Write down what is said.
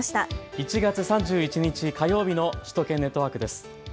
１月３１日火曜日の首都圏ネットワークです。